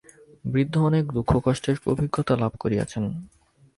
বৃদ্ধ অনেক দুঃখকষ্টের অভিজ্ঞতা লাভ করিয়াছেন।